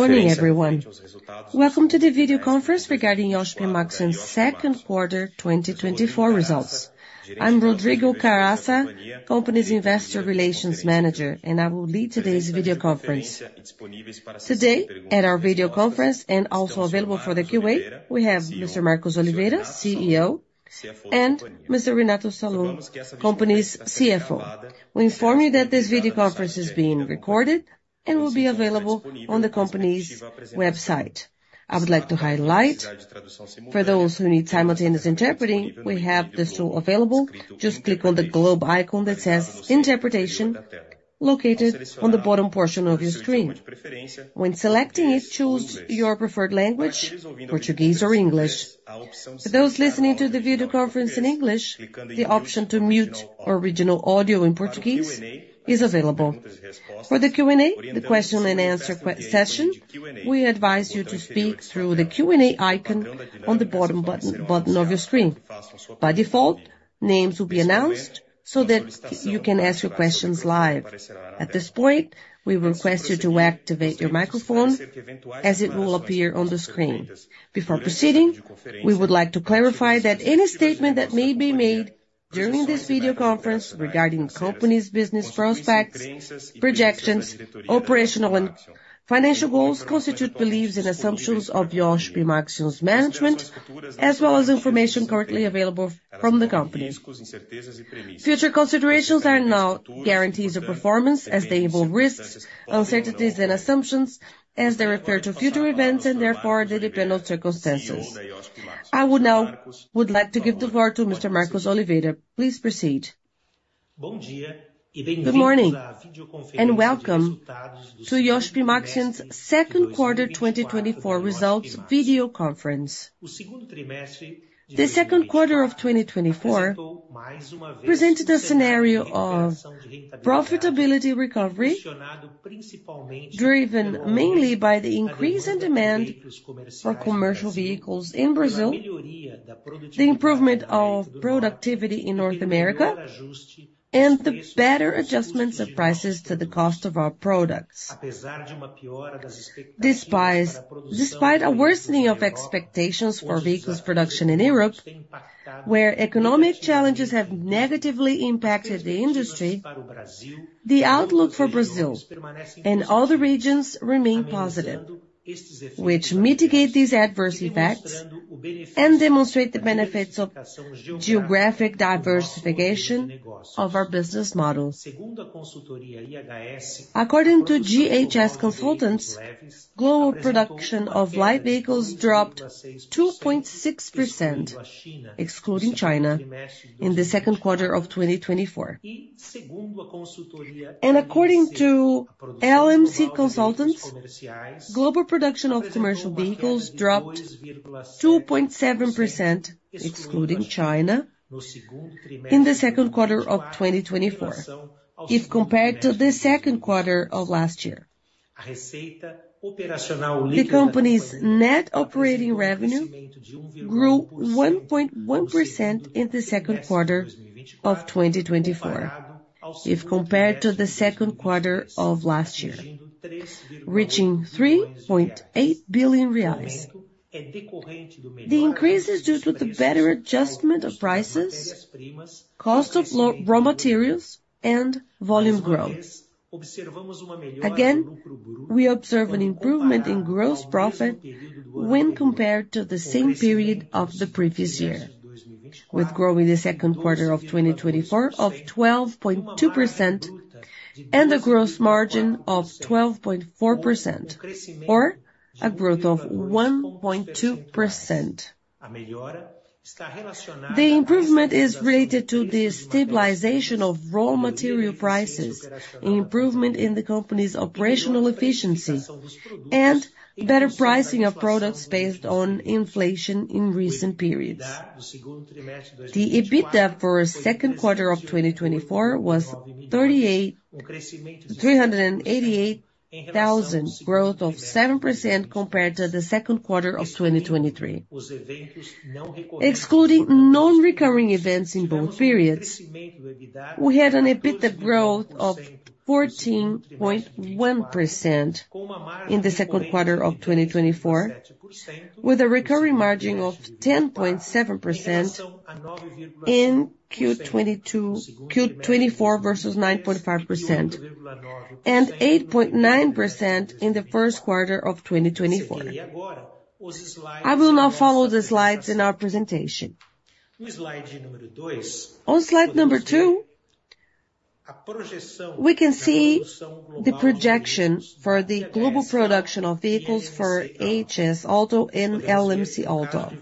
Good morning, everyone. Welcome to the video conference regarding Iochpe-Maxion's Second Quarter 2024 Results. I'm Rodrigo Caraça, company's Investor Relations Manager, and I will lead today's video conference. Today, at our video conference, and also available for the Q&A, we have Mr. Marcos Oliveira, CEO, and Mr. Renato Salum, company's CFO. We inform you that this video conference is being recorded and will be available on the company's website. I would like to highlight, for those who need simultaneous interpreting, we have this tool available. Just click on the globe icon that says Interpretation, located on the bottom portion of your screen. When selecting it, choose your preferred language, Portuguese or English. For those listening to the video conference in English, the option to mute original audio in Portuguese is available. For the Q&A, the question-and-answer session, we advise you to speak through the Q&A icon on the bottom button of your screen. By default, names will be announced so that you can ask your questions live. At this point, we request you to activate your microphone, as it will appear on the screen. Before proceeding, we would like to clarify that any statement that may be made during this video conference regarding the company's business prospects, projections, operational and financial goals, constitute beliefs and assumptions of Iochpe-Maxion's management, as well as information currently available from the company. Future considerations are no guarantees of performance as they involve risks, uncertainties, and assumptions as they refer to future events, and therefore, they depend on circumstances. I would now like to give the floor to Mr. Marcos Oliveira. Please proceed. Good morning, and Welcome to Iochpe-Maxion's Second Quarter 2024 Results Video Conference. The second quarter of 2024 presented a scenario of profitability recovery, driven mainly by the increase in demand for commercial vehicles in Brazil, the improvement of productivity in North America, and the better adjustments of prices to the cost of our products. Despite a worsening of expectations for vehicles production in Europe, where economic challenges have negatively impacted the industry, the outlook for Brazil and other regions remain positive, which mitigate these adverse effects and demonstrate the benefits of geographic diversification of our business model. According to IHS consultants, global production of light vehicles dropped 2.6%, excluding China, in the second quarter of 2024. According to LMC Automotive, global production of commercial vehicles dropped 2.7%, excluding China, in the second quarter of 2024, if compared to the second quarter of last year. The company's net operating revenue grew 1.1% in the second quarter of 2024, if compared to the second quarter of last year, reaching 3.8 billion reais. The increase is due to the better adjustment of prices, cost of lower raw materials, and volume growth. Again, we observe an improvement in gross profit when compared to the same period of the previous year, with growth in the second quarter of 2024 of 12.2% and a gross margin of 12.4%, or a growth of 1.2%. The improvement is related to the stabilization of raw material prices, improvement in the company's operational efficiency, and better pricing of products based on inflation in recent periods. The EBITDA for second quarter of 2024 was 388 thousand, growth of 7% compared to the second quarter of 2023. Excluding non-recurring events in both periods, we had an EBITDA growth of 14.1% in the second quarter of 2024, with a recurring margin of 10.7% in Q2 2024 versus 9.5%, and 8.9% in the first quarter of 2024. I will now follow the slides in our presentation. On slide number 2, we can see the projection for the global production of vehicles for IHS Auto and LMC Auto.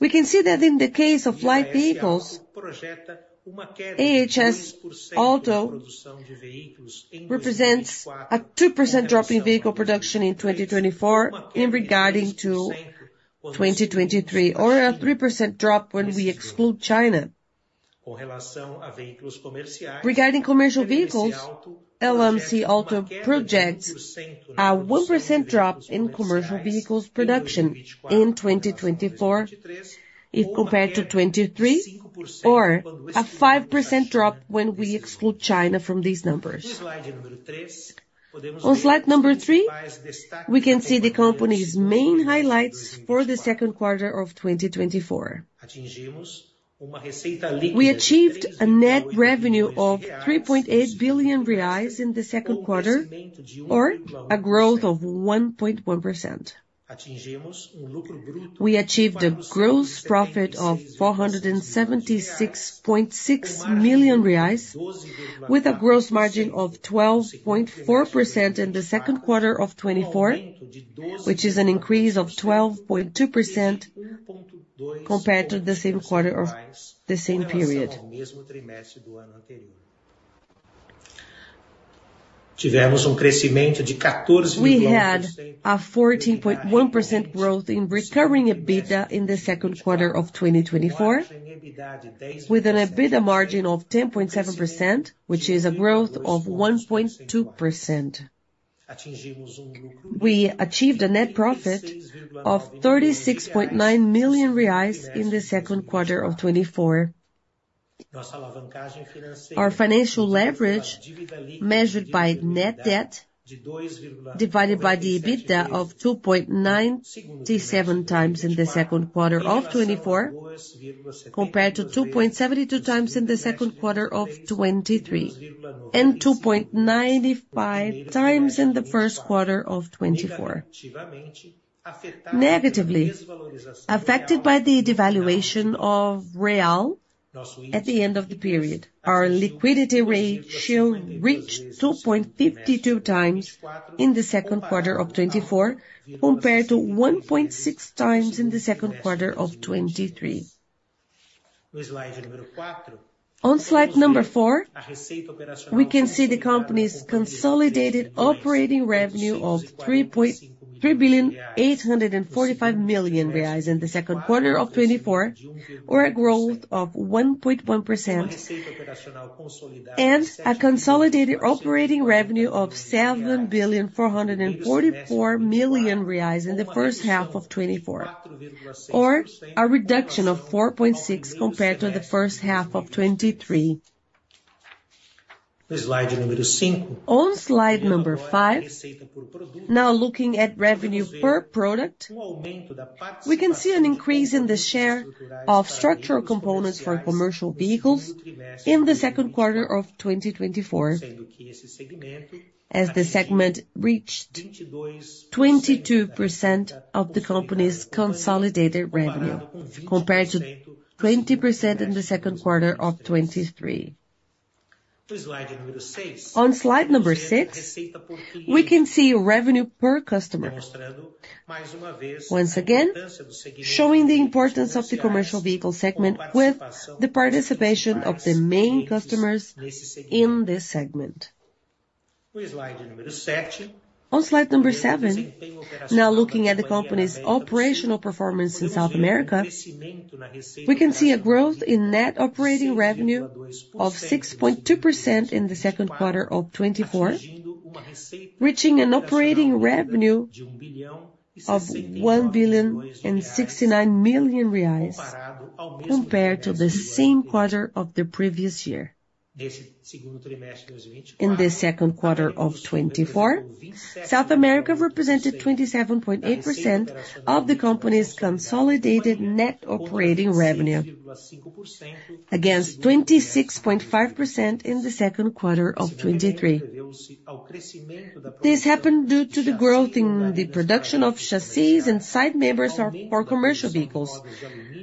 We can see that in the case of light vehicles, IHS Auto represents a 2% drop in vehicle production in 2024 in regarding to 2023, or a 3% drop when we exclude China. Regarding commercial vehicles, LMC Auto projects a 1% drop in commercial vehicles production in 2024, if compared to 2023, or a 5% drop when we exclude China from these numbers. On slide number 3, we can see the company's main highlights for the second quarter of 2024. We achieved a net revenue of 3.8 billion reais in the second quarter, or a growth of 1.1%. We achieved a gross profit of 476.6 million reais, with a gross margin of 12.4% in the second quarter of 2024, which is an increase of 12.2% compared to the same quarter of the same period. We had a 14.1% growth in recurring EBITDA in the second quarter of 2024, with an EBITDA margin of 10.7%, which is a growth of 1.2%. We achieved a net profit of 36.9 million reais in the second quarter of 2024. Our financial leverage, measured by net debt divided by EBITDA of 2.97x in the second quarter of 2024, compared to 2.72x in the second quarter of 2023, and 2.95x in the first quarter of 2024. Negatively, affected by the devaluation of Real at the end of the period, our liquidity ratio reached 2.52x in the second quarter of 2024, compared to 1.6 times in the second quarter of 2023. On slide number four, we can see the company's consolidated operating revenue of 3.845 billion reais in the second quarter of 2024, or a growth of 1.1%, and a consolidated operating revenue of 7.444 billion in the first half of 2024, or a reduction of 4.6% compared to the first half of 2023. On slide number 5, now looking at revenue per product, we can see an increase in the share of structural components for commercial vehicles in the second quarter of 2024, as the segment reached 22% of the company's consolidated revenue, compared to 20% in the second quarter of 2023. On slide number 6, we can see revenue per customer. Once again, showing the importance of the commercial vehicle segment with the participation of the main customers in this segment. On slide number 7, now looking at the company's operational performance in South America, we can see a growth in net operating revenue of 6.2% in the second quarter of 2024, reaching an operating revenue of 1,069 million reais compared to the same quarter of the previous year. In the second quarter of 2024, South America represented 27.8% of the company's consolidated net operating revenue, against 26.5% in the second quarter of 2023. This happened due to the growth in the production of chassis and side members for commercial vehicles,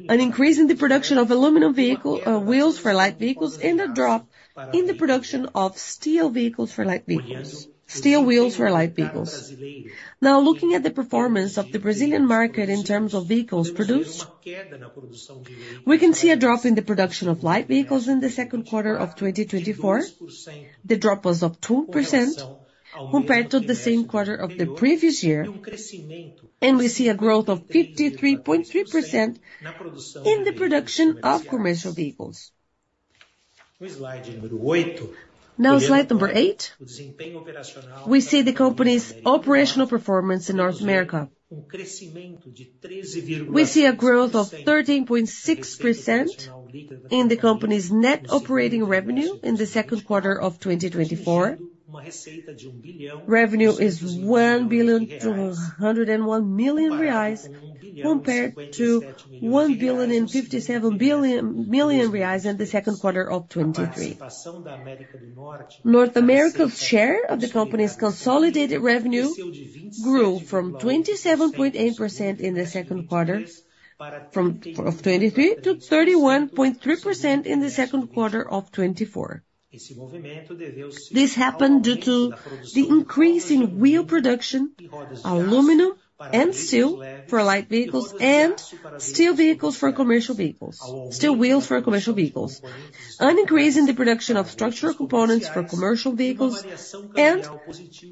an increase in the production of aluminum vehicle wheels for light vehicles, and a drop in the production of steel vehicles for light vehicles, steel wheels for light vehicles. Now, looking at the performance of the Brazilian market in terms of vehicles produced, we can see a drop in the production of light vehicles in the second quarter of 2024. The drop was of 2% compared to the same quarter of the previous year, and we see a growth of 53.3% in the production of commercial vehicles. Now, slide number 8, we see the company's operational performance in North America. We see a growth of 13.6% in the company's net operating revenue in the second quarter of 2024. Revenue is 1.201 billion, compared to 1.057 billion reais in the second quarter of 2023. North America's share of the company's consolidated revenue grew from 27.8% in the second quarter of 2023 to 31.3% in the second quarter of 2024. This happened due to the increase in wheel production, aluminum and steel for light vehicles, and steel wheels for commercial vehicles, an increase in the production of structural components for commercial vehicles, and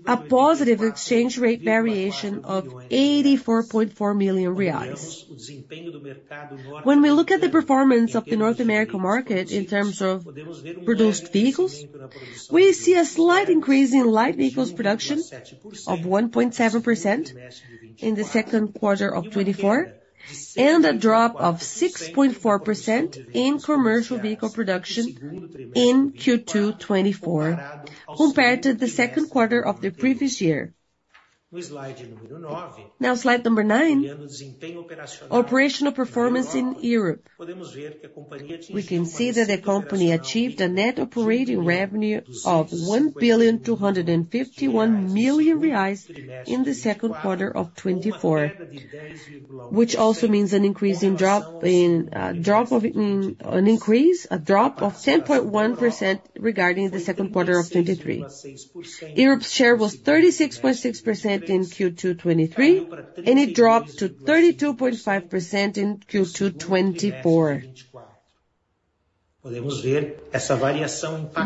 a positive exchange rate variation of 84.4 million reais. When we look at the performance of the North American market in terms of produced vehicles, we see a slight increase in light vehicles production of 1.7% in the second quarter of 2024, and a drop of 6.4% in commercial vehicle production in Q2 2024, compared to the second quarter of the previous year. Now slide number 9, operational performance in Europe. We can see that the company achieved a net operating revenue of 1.251 billion in the second quarter of 2024, which also means a drop of 10.1% regarding the second quarter of 2023. Europe's share was 36.6% in Q2 2023, and it dropped to 32.5% in Q2 2024. We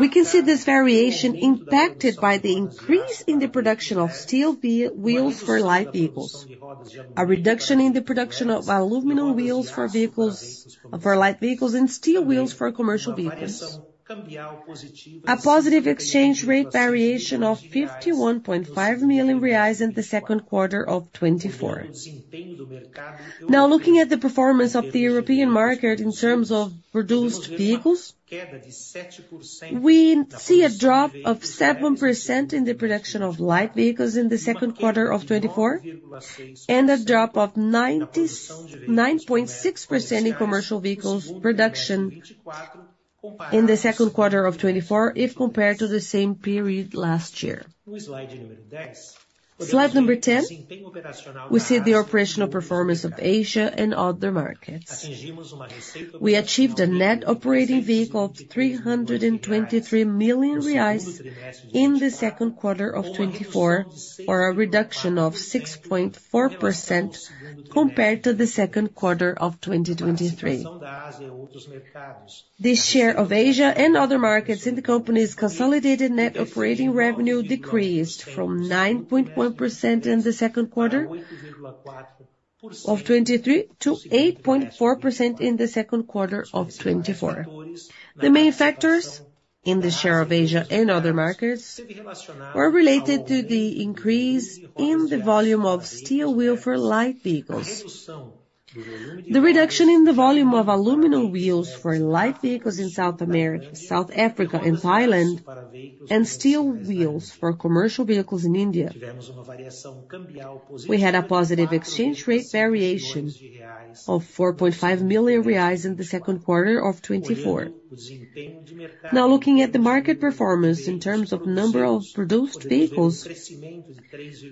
can see this variation impacted by the increase in the production of steel wheels for light vehicles, a reduction in the production of aluminum wheels for vehicles, for light vehicles, and steel wheels for commercial vehicles. A positive exchange rate variation of 51.5 million reais in the second quarter of 2024. Now, looking at the performance of the European market in terms of produced vehicles, we see a drop of 7% in the production of light vehicles in the second quarter of 2024, and a drop of 99.6% in commercial vehicles production in the second quarter of 2024, if compared to the same period last year. Slide number 10, we see the operational performance of Asia and other markets. We achieved a net operating revenue of 323 million reais in the second quarter of 2024, or a reduction of 6.4% compared to the second quarter of 2023. The share of Asia and other markets in the company's consolidated net operating revenue decreased from 9.1% in the second quarter of 2023 to 8.4% in the second quarter of 2024. The main factors in the share of Asia and other markets were related to the increase in the volume of steel wheel for light vehicles. The reduction in the volume of aluminum wheels for light vehicles in South America, South Africa, and Thailand, and steel wheels for commercial vehicles in India. We had a positive exchange rate variation of 4.5 million reais in the second quarter of 2024. Now, looking at the market performance in terms of number of produced vehicles,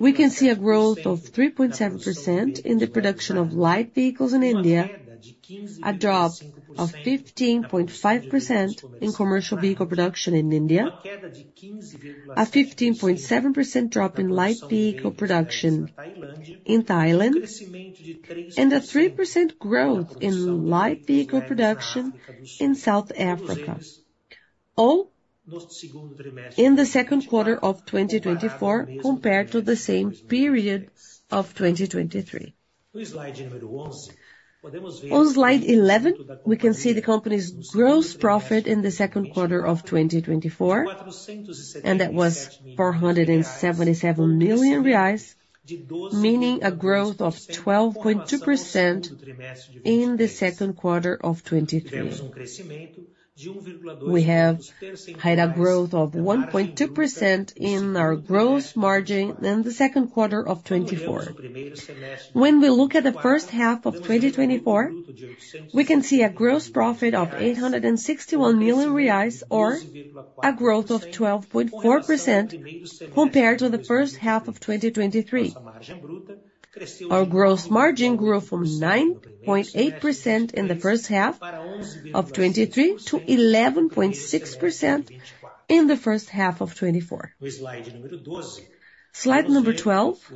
we can see a growth of 3.7% in the production of light vehicles in India, a drop of 15.5% in commercial vehicle production in India, a 15.7% drop in light vehicle production in Thailand, and a 3% growth in light vehicle production in South Africa, all in the second quarter of 2024, compared to the same period of 2023. On slide 11, we can see the company's gross profit in the second quarter of 2024, and that was 477 million reais, meaning a growth of 12.2% in the second quarter of 2023. We have had a growth of 1.2% in our gross margin in the second quarter of 2024. When we look at the first half of 2024, we can see a gross profit of 861 million reais, or a growth of 12.4% compared to the first half of 2023. Our gross margin grew from 9.8% in the first half of 2023 to 11.6% in the first half of 2024. Slide number 12,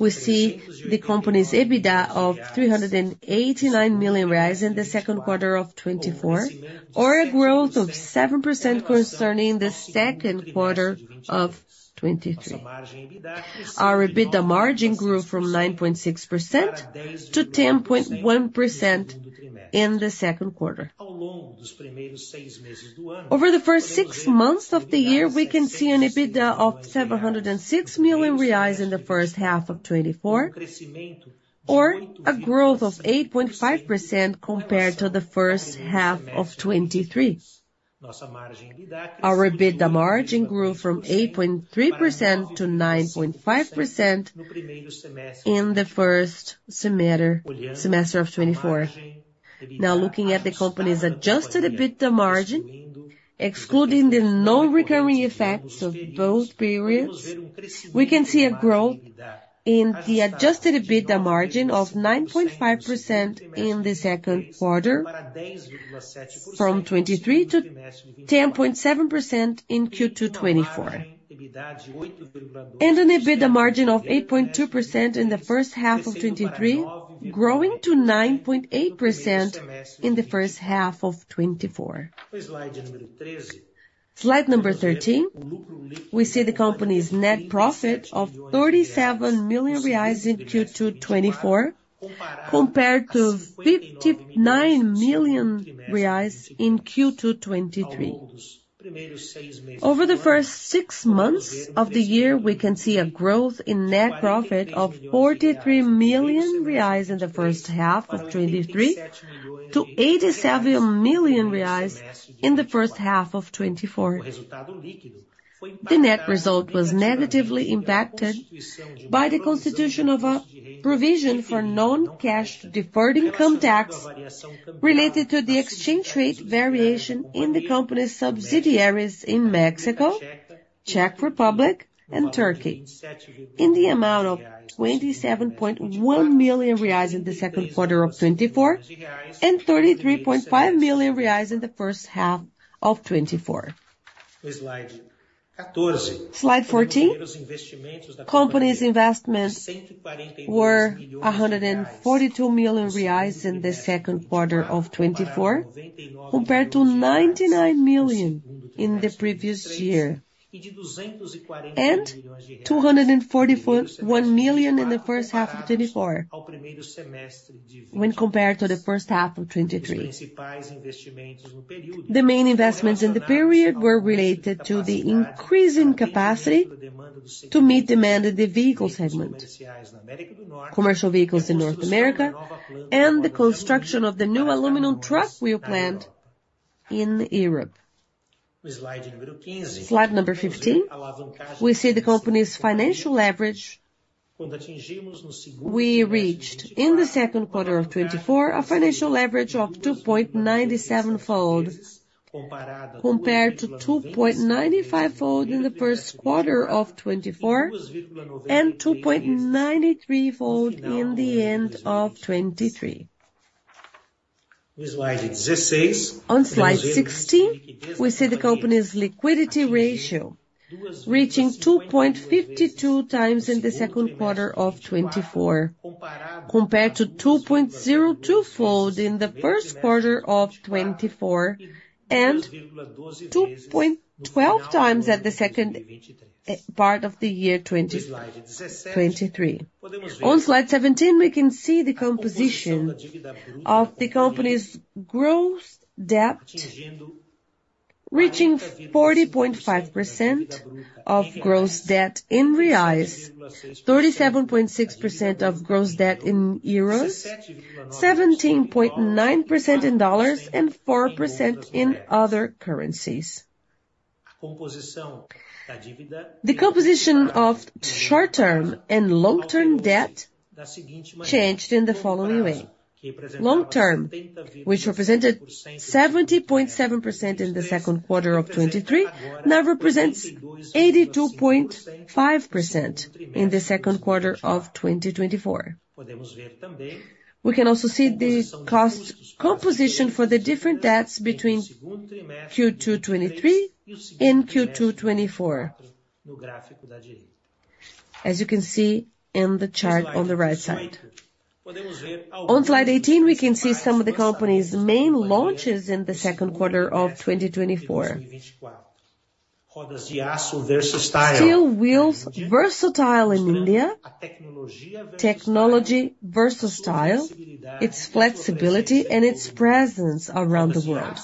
we see the company's EBITDA of 389 million in the second quarter of 2024, or a growth of 7% concerning the second quarter of 2023. Our EBITDA margin grew from 9.6% to 10.1% in the second quarter. Over the first six months of the year, we can see an EBITDA of 706 million reais in the first half of 2024, or a growth of 8.5% compared to the first half of 2023. Our EBITDA margin grew from 8.3% to 9.5% in the first semester of 2024. Now, looking at the company's adjusted EBITDA margin, excluding the non-recurring effects of both periods, we can see a growth in the adjusted EBITDA margin of 9.5% in the second quarter, from 2.3% to 10.7% in Q2 2024. An EBITDA margin of 8.2% in the first half of 2023, growing to 9.8% in the first half of 2024. Slide number thirteen, we see the company's net profit of 37 million reais in Q2 2024, compared to 59 million reais in Q2 2023. Over the first six months of the year, we can see a growth in net profit of 43 million reais in the first half of 2023 to 87 million reais in the first half of 2024. The net result was negatively impacted by the constitution of a provision for non-cash, deferred income tax, related to the exchange rate variation in the company's subsidiaries in Mexico, Czech Republic, and Turkey, in the amount of 27.1 million reais in the second quarter of 2024, and 33.5 million reais in the first half of 2024. Slide fourteen. Company's investments were 142 million reais in the second quarter of 2024, compared to 99 million in the previous year, and 241 million in the first half of 2024 when compared to the first half of 2023. The main investments in the period were related to the increase in capacity to meet demand in the vehicle segment. Commercial vehicles in North America, and the construction of the new aluminum truck wheel plant in Europe. Slide number 15. We see the company's financial leverage. We reached, in the second quarter of 2024, a financial leverage of 2.97x, compared to 2.95x in the first quarter of 2024, and 2.93x in the end of 2023. On slide 16, we see the company's liquidity ratio reaching 2.52 times in the second quarter of 2024, compared to 2.02-fold in the first quarter of 2024, and 2.12 times at the second part of the year 2023. On slide 17, we can see the composition of the company's gross debt, reaching 40.5% of gross debt in BRL, 37.6% of gross debt in EUR, 17.9% in USD, and 4% in other currencies. The composition of short-term and long-term debt changed in the following way: long term, which represented 70.7% in the second quarter of 2023, now represents 82.5% in the second quarter of 2024. We can also see the cost composition for the different debts between Q2 2023 and Q2 2024, as you can see in the chart on the right side. On slide 18, we can see some of the company's main launches in the second quarter of 2024. Steel wheels, VersaStyle in India, technology, VersaStyle, its flexibility and its presence around the world.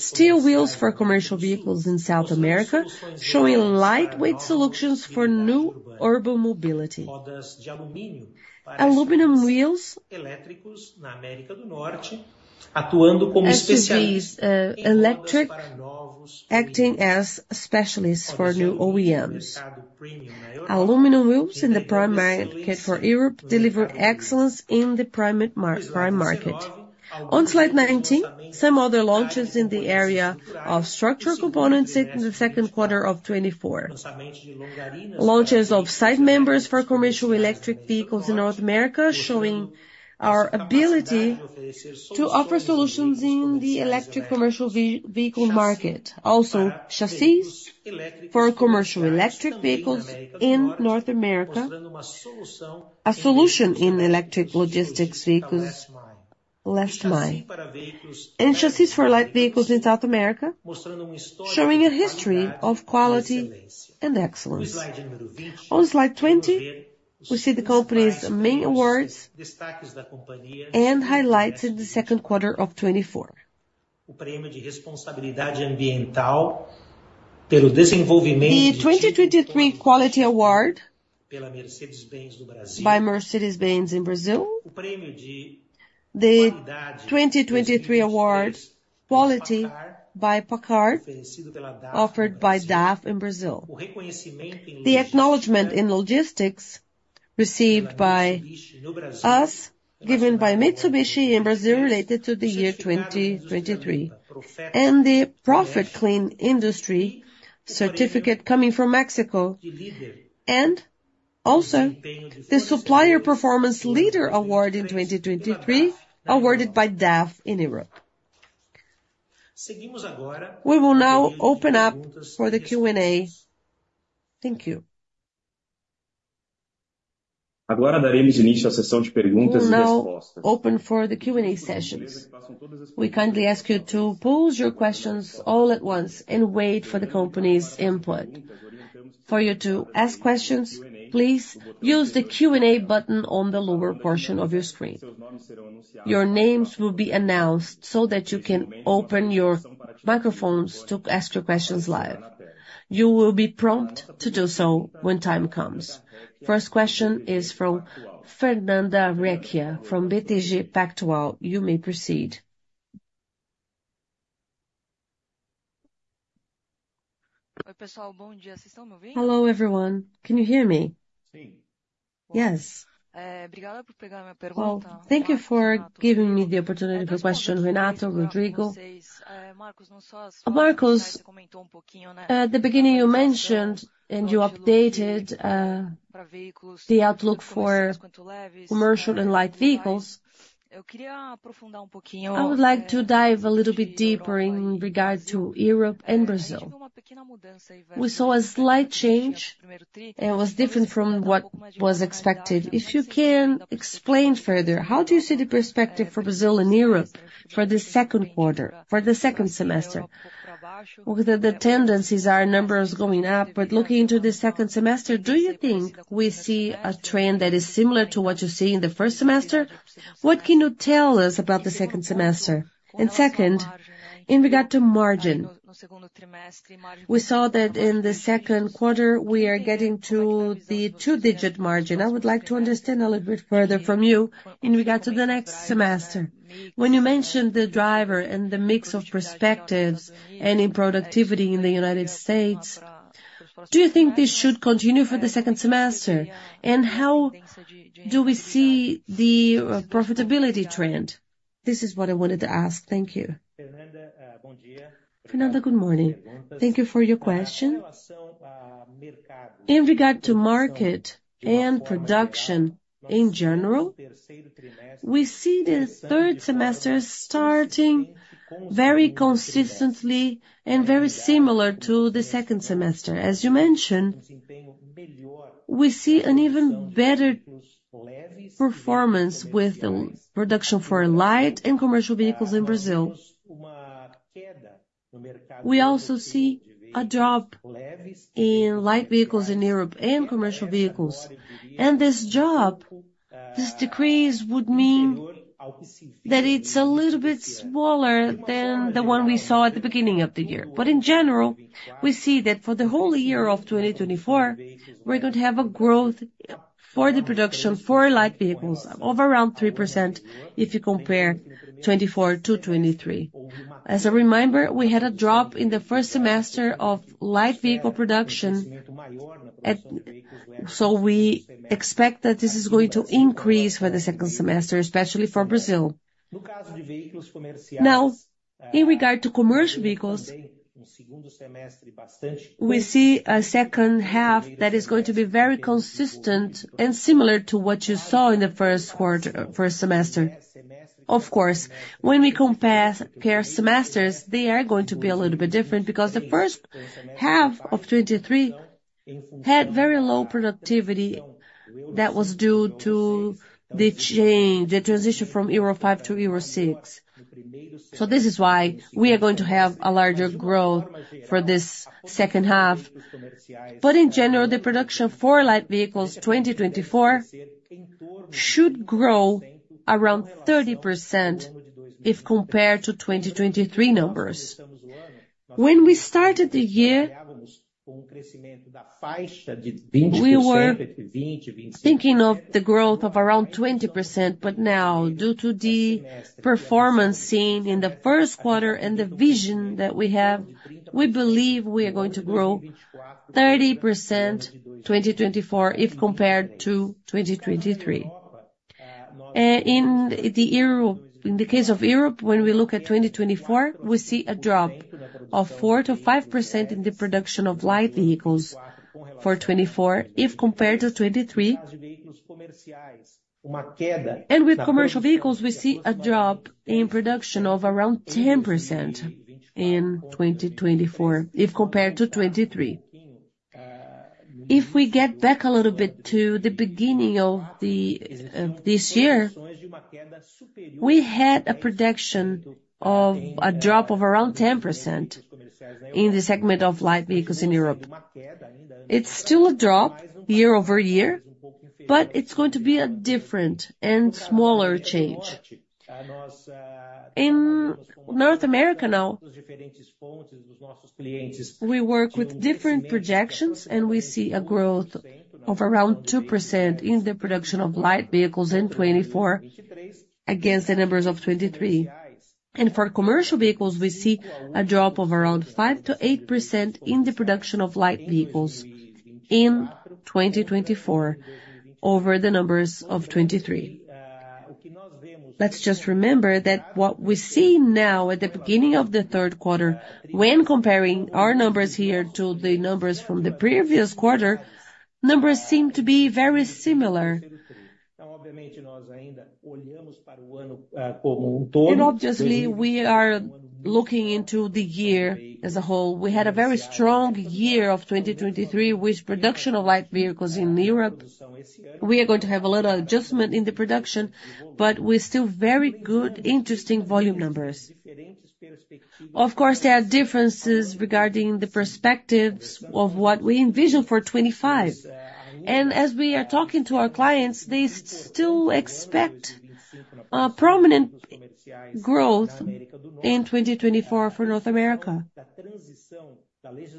Steel wheels for commercial vehicles in South America, showing lightweight solutions for new urban mobility. Aluminum wheels. SUVs, electric, acting as specialists for new OEMs. Aluminum wheels in the prime market for Europe deliver excellence in the prime market. On slide 19, some other launches in the area of structural components in the second quarter of 2024. Launches of side members for commercial electric vehicles in North America, showing our ability to offer solutions in the electric commercial vehicle market. Also, chassis for commercial electric vehicles in North America, a solution in electric logistics vehicles last mile. And chassis for light vehicles in South America, showing a history of quality and excellence. On slide 20, we see the company's main awards and highlights in the second quarter of 2024. The 2023 quality award by Mercedes-Benz in Brazil, the 2023 award quality by PACCAR, offered by DAF in Brazil. The acknowledgement in logistics received by us, given by Mitsubishi in Brazil, related to the year 2023, and the Clean Industry Certificate coming from Mexico, and also the Supplier Performance Leader Award in 2023, awarded by DAF in Europe. We will now open up for the Q&A. Thank you. We will now open for the Q&A sessions. We kindly ask you to pose your questions all at once and wait for the company's input. For you to ask questions, please use the Q&A button on the lower portion of your screen. Your names will be announced so that you can open your microphones to ask your questions live. You will be prompted to do so when time comes. First question is from Fernanda Recchia from BTG Pactual. You may proceed. Hi, pessoal. Good day, yes, you're hearing me? Hello, everyone. Can you hear me? Yes. Thank you for giving me the opportunity for question, Renato, Rodrigo. Marcos, at the beginning, you mentioned and you updated the outlook for commercial and light vehicles. I would like to dive a little bit deeper in regards to Europe and Brazil. We saw a slight change, and it was different from what was expected. If you can explain further, how do you see the perspective for Brazil and Europe for the second quarter—for the second semester? The tendencies are numbers going up, but looking into the second semester, do you think we see a trend that is similar to what you see in the first semester? What can you tell us about the second semester? And second, in regard to margin, we saw that in the second quarter, we are getting to the two-digit margin. I would like to understand a little bit further from you in regard to the next semester. When you mentioned the driver and the mix of perspectives and in productivity in the United States, do you think this should continue for the second semester? And how do we see the profitability trend? This is what I wanted to ask. Thank you. Fernanda, good morning. Thank you for your question. In regard to market and production in general, we see the third semester starting very consistently and very similar to the second semester. As you mentioned, we see an even better performance with the production for light and commercial vehicles in Brazil. We also see a drop in light vehicles in Europe and commercial vehicles. And this drop, this decrease would mean that it's a little bit smaller than the one we saw at the beginning of the year. But in general, we see that for the whole year of 2024, we're going to have a growth for the production for light vehicles of around 3% if you compare 2024 to 2023. As a reminder, we had a drop in the first semester of light vehicle production, so we expect that this is going to increase for the second semester, especially for Brazil. Now, in regard to commercial vehicles, we see a second half that is going to be very consistent and similar to what you saw in the first semester. Of course, when we compare semesters, they are going to be a little bit different because the first half of 2023 had very low productivity that was due to the change, the transition from Euro V to Euro VI. So this is why we are going to have a larger growth for this second half. But in general, the production for light vehicles, 2024, should grow around 30% if compared to 2023 numbers. When we started the year, we were thinking of the growth of around 20%, but now, due to the performance seen in the first quarter and the vision that we have, we believe we are going to grow 30%, 2024, if compared to 2023. In the case of Europe, when we look at 2024, we see a drop of 4%-5% in the production of light vehicles for 2024, if compared to 2023. And with commercial vehicles, we see a drop in production of around 10% in 2024, if compared to 2023. If we get back a little bit to the beginning of the, this year, we had a prediction of a drop of around 10% in the segment of light vehicles in Europe. It's still a drop year over year, but it's going to be a different and smaller change. In North America now, we work with different projections, and we see a growth of around 2% in the production of light vehicles in 2024 against the numbers of 2023. And for commercial vehicles, we see a drop of around 5%-8% in the production of light vehicles in 2024 over the numbers of 2023. Let's just remember that what we see now at the beginning of the third quarter, when comparing our numbers here to the numbers from the previous quarter, numbers seem to be very similar. And obviously, we are looking into the year as a whole. We had a very strong year of 2023, with production of light vehicles in Europe. We are going to have a little adjustment in the production, but we're still very good, interesting volume numbers. Of course, there are differences regarding the perspectives of what we envision for 25, and as we are talking to our clients, they still expect prominent growth in 2024 for North America. And this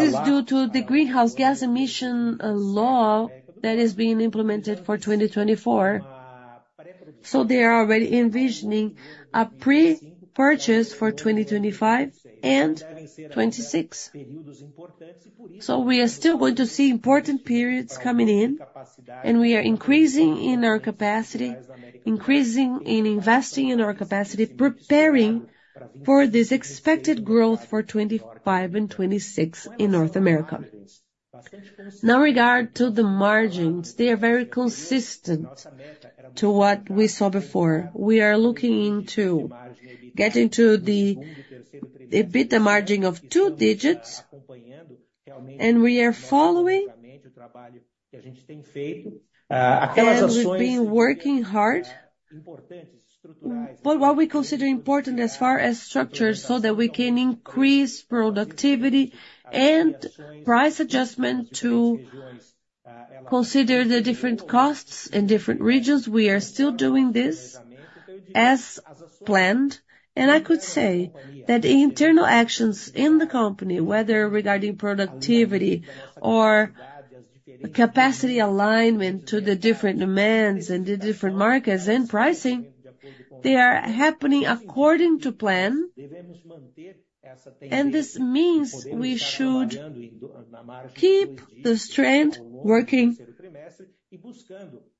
is due to the greenhouse gas emission law that is being implemented for 2024. So they are already envisioning a pre-purchase for 2025 and 2026. So we are still going to see important periods coming in, and we are increasing in our capacity, increasing in investing in our capacity, preparing for this expected growth for 2025 and 2026 in North America. Now, regarding the margins, they are very consistent to what we saw before. We are looking into getting to the EBITDA margin of two digits, and we are following. We've been working hard, but what we consider important as far as structure, so that we can increase productivity and price adjustment to consider the different costs in different regions. We are still doing this as planned, and I could say that the internal actions in the company, whether regarding productivity or capacity alignment to the different demands and the different markets and pricing, they are happening according to plan. This means we should keep the strength working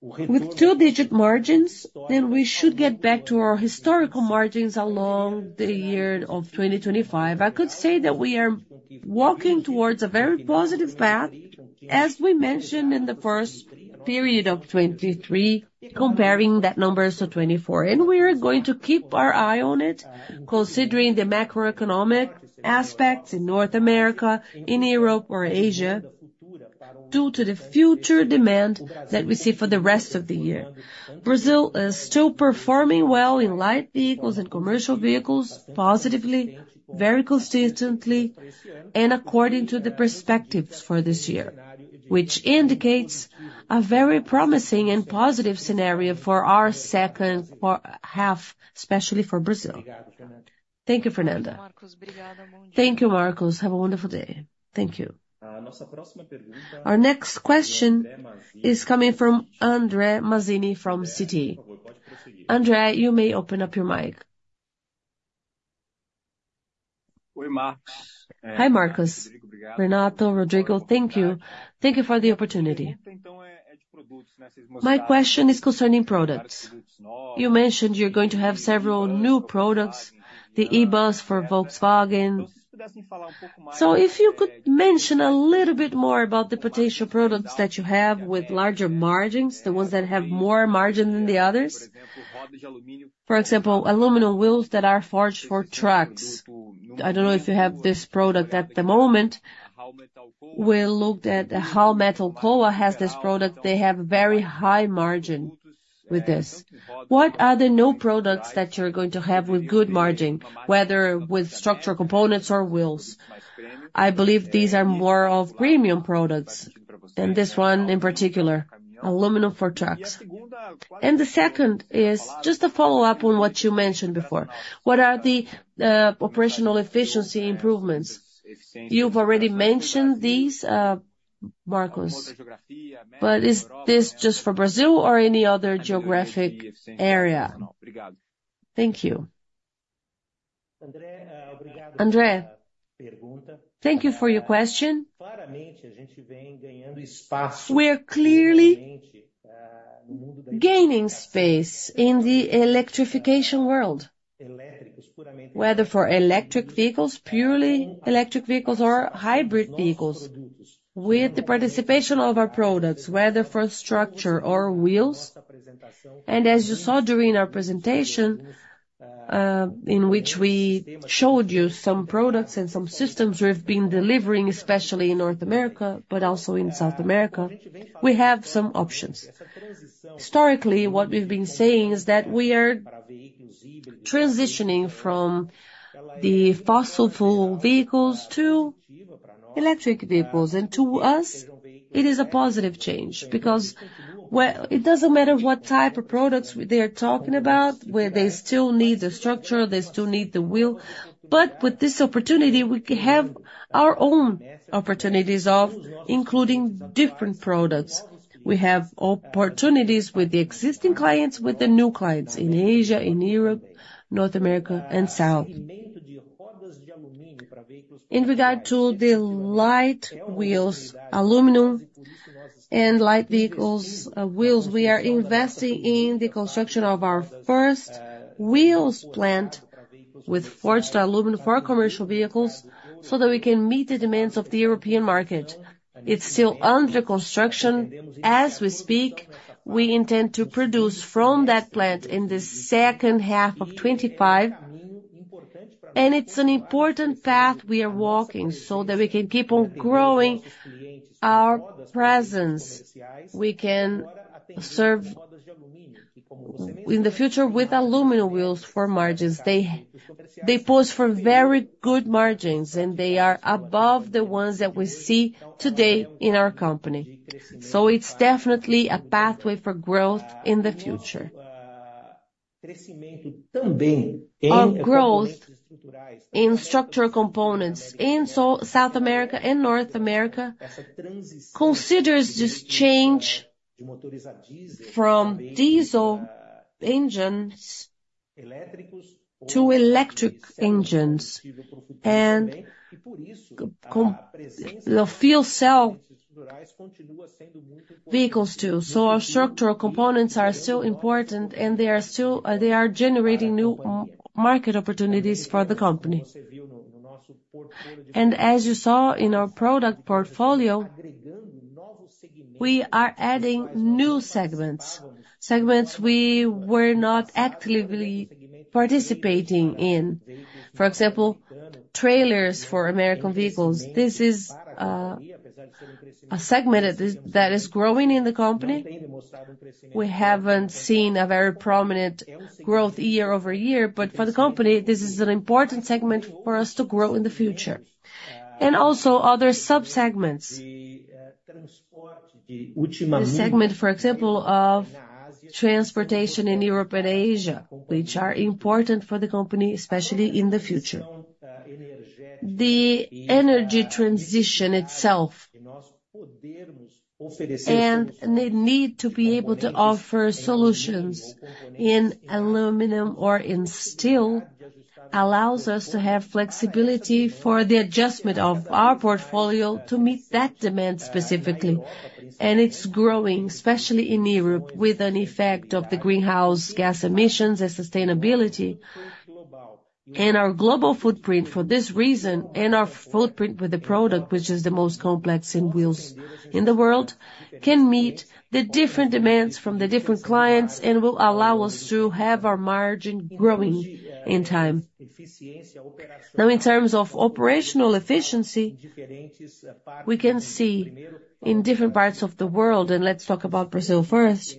with two-digit margins; then we should get back to our historical margins along the year of 2025. I could say that we are walking towards a very positive path, as we mentioned in the first period of 2023, comparing that numbers to 2024. We are going to keep our eye on it, considering the macroeconomic aspects in North America, in Europe or Asia, due to the future demand that we see for the rest of the year. Brazil is still performing well in light vehicles and commercial vehicles, positively, very consistently, and according to the perspectives for this year, which indicates a very promising and positive scenario for our second half, especially for Brazil. Thank you, Fernanda. Thank you, Marcos. Have a wonderful day. Thank you. Our next question is coming from André Mazzini, from Citi. André, you may open up your mic. Hi, Marcos, Renato, Rodrigo. Thank you. Thank you for the opportunity. My question is concerning products. You mentioned you're going to have several new products, the e-bus for Volkswagen. So if you could mention a little bit more about the potential products that you have with larger margins, the ones that have more margin than the others. For example, aluminum wheels that are forged for trucks. I don't know if you have this product at the moment. We looked at how Alcoa has this product. They have very high margin with this. What are the new products that you're going to have with good margin, whether with structural components or wheels? I believe these are more of premium products than this one, in particular, aluminum for trucks. And the second is just a follow-up on what you mentioned before. What are the operational efficiency improvements? You've already mentioned these, Marcos, but is this just for Brazil or any other geographic area? Thank you. Andre, thank you for your question. We're clearly gaining space in the electrification world, whether for electric vehicles, purely electric vehicles or hybrid vehicles, with the participation of our products, whether for structure or wheels. As you saw during our presentation, in which we showed you some products and some systems we've been delivering, especially in North America, but also in South America, we have some options. Historically, what we've been saying is that we are transitioning from the fossil fuel vehicles to electric vehicles. To us, it is a positive change because, well, it doesn't matter what type of products they are talking about, where they still need the structure, they still need the wheel. But with this opportunity, we have our own opportunities of including different products. We have opportunities with the existing clients, with the new clients in Asia, in Europe, North America, and South. In regard to the light wheels, aluminum and light vehicles, wheels, we are investing in the construction of our first wheels plant with forged aluminum for commercial vehicles so that we can meet the demands of the European market. It's still under construction. As we speak, we intend to produce from that plant in the second half of 2025, and it's an important path we are walking so that we can keep on growing our presence. We can serve in the future with aluminum wheels for margins. They, they pose for very good margins, and they are above the ones that we see today in our company. So it's definitely a pathway for growth in the future. Our growth in structural components in South America and North America considers this change from diesel engines to electric engines and the fuel cell vehicles too. So our structural components are still important, and they are still, they are generating new market opportunities for the company. And as you saw in our product portfolio, we are adding new segments. Segments we were not actively participating in, for example, trailers for American vehicles. This is a segment that is growing in the company. We haven't seen a very prominent growth year-over-year, but for the company, this is an important segment for us to grow in the future. And also other sub-segments. The segment, for example, of transportation in Europe and Asia, which are important for the company, especially in the future. The energy transition itself and the need to be able to offer solutions in aluminum or in steel, allows us to have flexibility for the adjustment of our portfolio to meet that demand specifically. It's growing, especially in Europe, with an effect of the greenhouse gas emissions and sustainability. Our global footprint for this reason, and our footprint with the product, which is the most complex in wheels in the world, can meet the different demands from the different clients, and will allow us to have our margin growing in time. Now, in terms of operational efficiency, we can see in different parts of the world, and let's talk about Brazil first.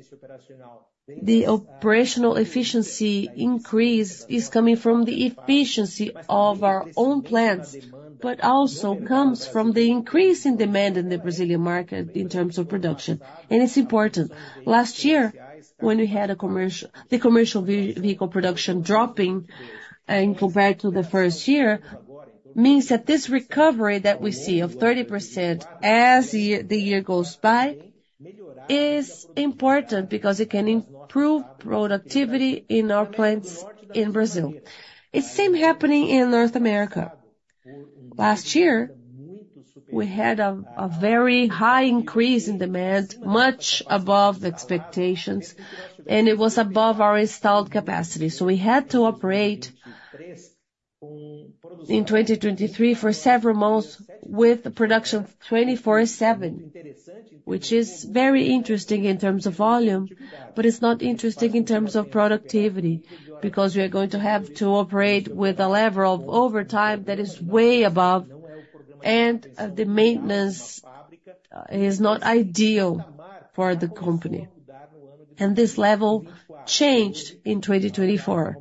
The operational efficiency increase is coming from the efficiency of our own plants, but also comes from the increase in demand in the Brazilian market in terms of production, and it's important. Last year, when we had a commercial vehicle production dropping and compared to the first year, means that this recovery that we see of 30% as the year goes by is important because it can improve productivity in our plants in Brazil. It's the same happening in North America. Last year, we had a very high increase in demand, much above the expectations, and it was above our installed capacity. So we had to operate in 2023 for several months with production 24/7, which is very interesting in terms of volume, but it's not interesting in terms of productivity. Because we are going to have to operate with a level of overtime that is way above, and the maintenance is not ideal for the company, and this level changed in 2024.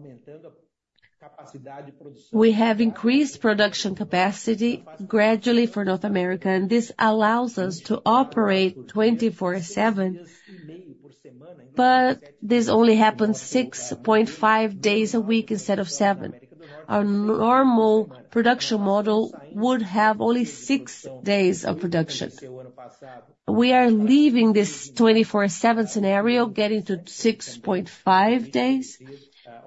We have increased production capacity gradually for North America, and this allows us to operate 24/7, but this only happens 6.5 days a week instead of seven. Our normal production model would have only six days of production. We are leaving this 24/7 scenario, getting to 6.5 days,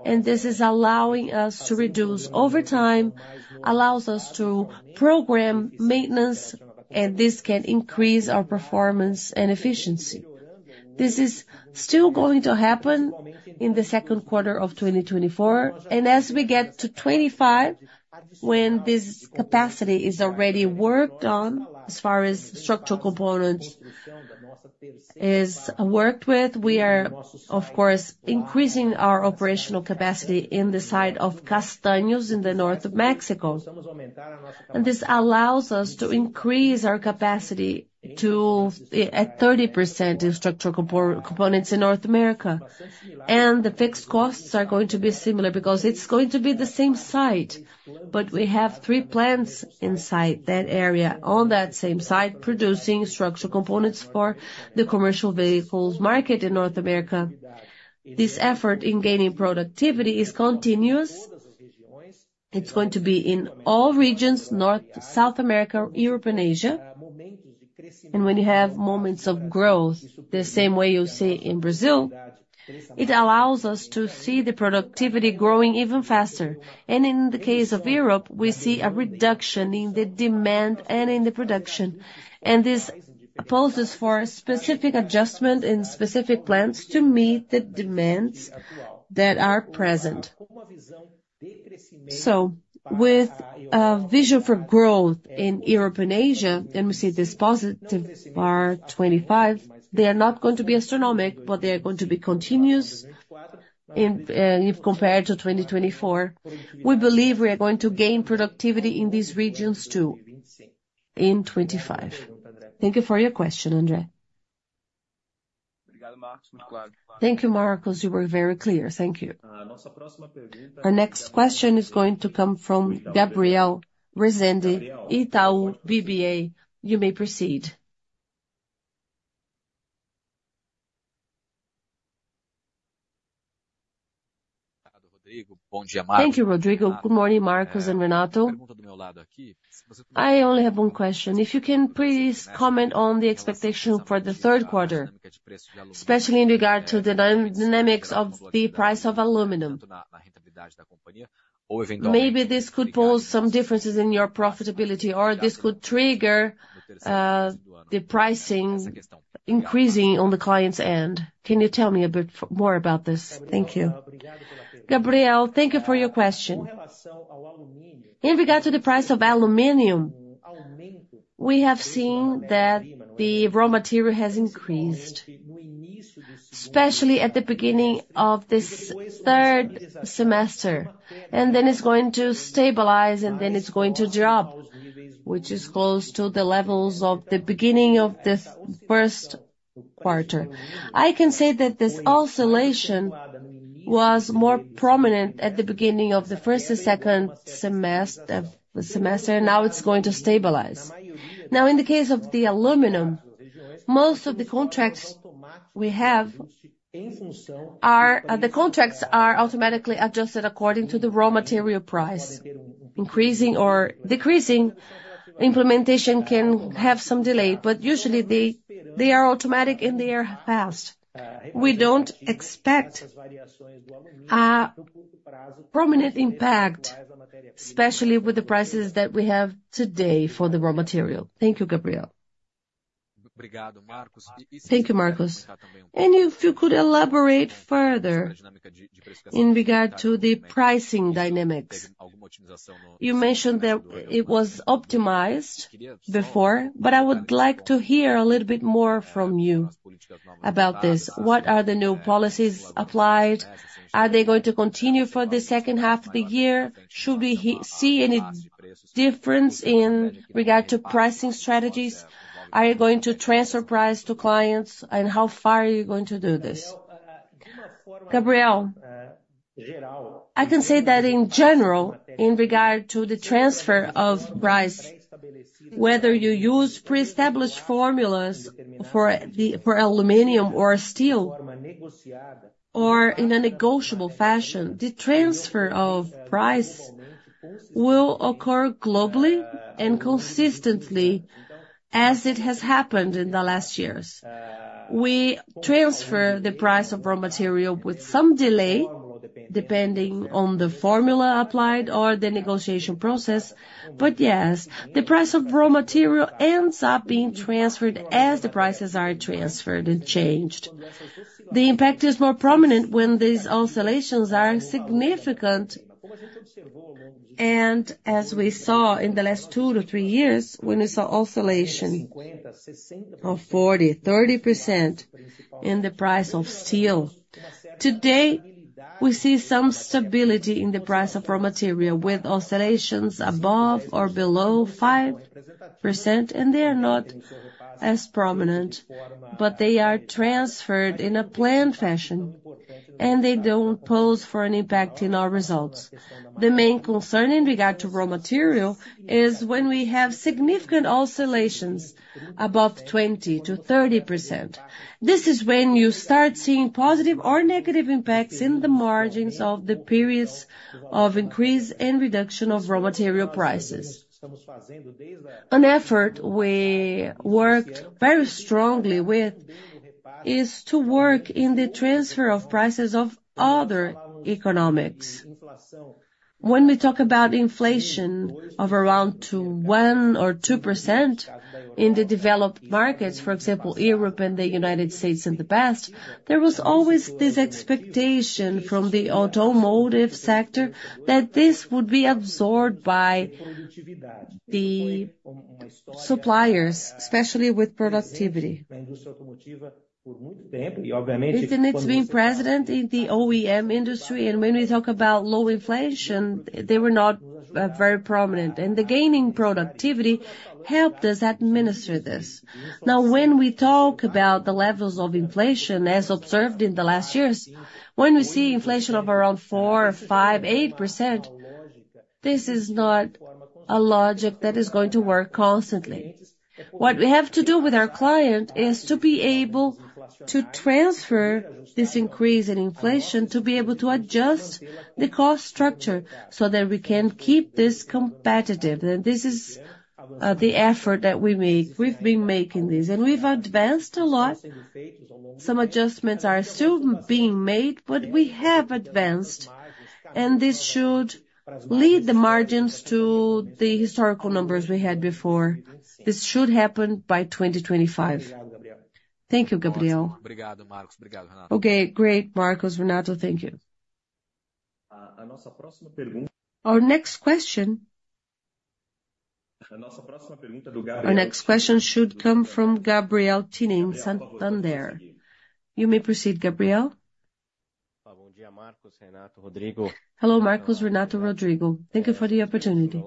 and this is allowing us to reduce overtime, allows us to program maintenance, and this can increase our performance and efficiency. This is still going to happen in the second quarter of 2024, and as we get to 2025, when this capacity is already worked on, as far as structural component is worked with, we are, of course, increasing our operational capacity in the site of Castaños in the north of Mexico. And this allows us to increase our capacity to at 30% in structural components in North America. The fixed costs are going to be similar because it's going to be the same site. But we have three plants inside that area, on that same site, producing structural components for the commercial vehicles market in North America. This effort in gaining productivity is continuous. It's going to be in all regions, North, South America, Europe, and Asia. And when you have moments of growth, the same way you see in Brazil, it allows us to see the productivity growing even faster. And in the case of Europe, we see a reduction in the demand and in the production, and this poses for specific adjustment in specific plans to meet the demands that are present. With a vision for growth in Europe and Asia, and we see this positive in 25, they are not going to be astronomical, but they are going to be continuous, if compared to 2024. We believe we are going to gain productivity in these regions, too, in 2025. Thank you for your question, André. Thank you, Marcos. You were very clear. Thank you. Our next question is going to come from Gabriel Rezende, Itaú BBA. You may proceed. Thank you, Rodrigo. Good morning, Marcos and Renato. I only have one question: if you can please comment on the expectation for the third quarter, especially in regard to the dynamics of the price of aluminum. Maybe this could pose some differences in your profitability, or this could trigger the pricing increasing on the client's end. Can you tell me a bit more about this? Thank you. Gabriel, thank you for your question. In regard to the price of aluminum, we have seen that the raw material has increased, especially at the beginning of this third semester, and then it's going to stabilize, and then it's going to drop, which is close to the levels of the beginning of the first quarter. I can say that this oscillation was more prominent at the beginning of the first and second semester, and now it's going to stabilize. Now, in the case of the aluminum, most of the contracts we have are, the contracts are automatically adjusted according to the raw material price. Increasing or decreasing, implementation can have some delay, but usually, they are automatic and they are fast. We don't expect a prominent impact, especially with the prices that we have today for the raw material. Thank you, Gabriel. Thank you, Marcos. And if you could elaborate further in regard to the pricing dynamics. You mentioned that it was optimized before, but I would like to hear a little bit more from you about this. What are the new policies applied? Are they going to continue for the second half of the year? Should we see any difference in regard to pricing strategies? Are you going to transfer price to clients, and how far are you going to do this? Gabriel, I can say that in general, in regard to the transfer of price, whether you use pre-established formulas for the, for aluminum or steel, or in a negotiable fashion, the transfer of price will occur globally and consistently as it has happened in the last years. We transfer the price of raw material with some delay, depending on the formula applied or the negotiation process. But yes, the price of raw material ends up being transferred as the prices are transferred and changed. The impact is more prominent when these oscillations are significant, and as we saw in the last two to three years, when we saw oscillation of 40, 30% in the price of steel. Today, we see some stability in the price of raw material, with oscillations above or below 5%, and they are not as prominent, but they are transferred in a planned fashion, and they don't pose for an impact in our results. The main concern in regard to raw material is when we have significant oscillations above 20%-30%. This is when you start seeing positive or negative impacts in the margins of the periods of increase and reduction of raw material prices. An effort we worked very strongly with, is to work in the transfer of prices of other economics. When we talk about inflation of around to 1%-2% in the developed markets, for example, Europe and the United States in the past, there was always this expectation from the automotive sector that this would be absorbed by the suppliers, especially with productivity. It had been precedent in the OEM industry, and when we talk about low inflation, they were not very prominent, and the gain in productivity helped us administer this. Now, when we talk about the levels of inflation, as observed in the last years, when we see inflation of around 4%, 5%, 8%, this is not a logic that is going to work constantly. What we have to do with our client is to be able to transfer this increase in inflation, to be able to adjust the cost structure so that we can keep this competitive. And this is the effort that we make. We've been making this, and we've advanced a lot. Some adjustments are still being made, but we have advanced, and this should lead the margins to the historical numbers we had before. This should happen by 2025. Thank you, Gabriel. Okay, great, Marcos. Renato, thank you. Our next question. Our next question should come from Gabriel Tinem, Santander. You may proceed, Gabriel. Hello, Marcos, Renato, Rodrigo. Thank you for the opportunity.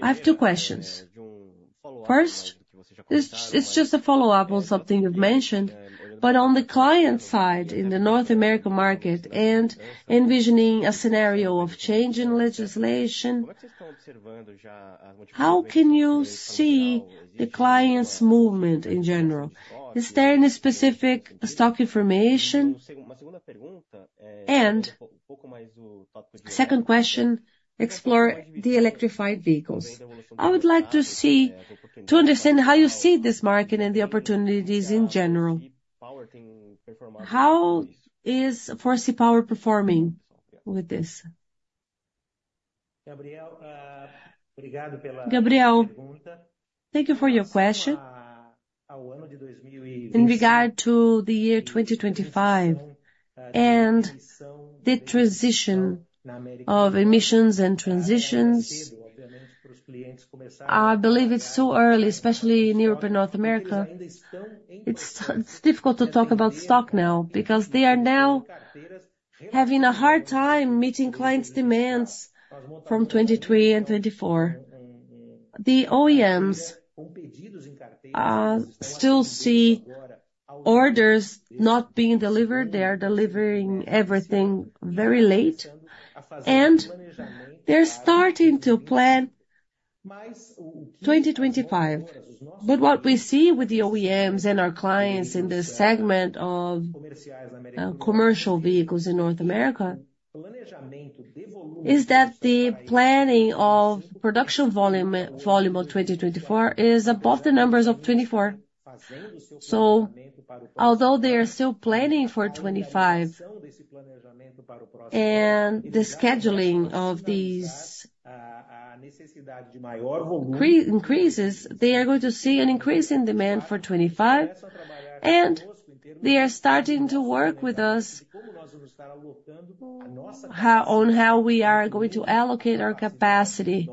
I have two questions. First, this—it's just a follow-up on something you've mentioned, but on the client side, in the North American market and envisioning a scenario of change in legislation, how can you see the clients' movement in general? Is there any specific stock information? And second question, explore the electrified vehicles. I would like to see, to understand how you see this market and the opportunities in general. How is Forsee Power performing with this? Gabriel, thank you for your question. In regard to the year 2025, and the transition of emissions and transitions, I believe it's so early, especially in Europe and North America. It's, it's difficult to talk about stock now, because they are now having a hard time meeting clients' demands from 2023 and 2024. The OEMs still see orders not being delivered. They are delivering everything very late, and they're starting to plan 2025. But what we see with the OEMs and our clients in this segment of commercial vehicles in North America, is that the planning of production volume, volume of 2024 is above the numbers of 2024. So although they are still planning for 25, and the scheduling of these increases, they are going to see an increase in demand for 25, and they are starting to work with us on how we are going to allocate our capacity,